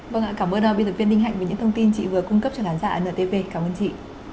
vâng ạ cảm ơn bây giờ viên linh hạnh với những thông tin chị vừa cung cấp cho đàn dạ ntv cảm ơn chị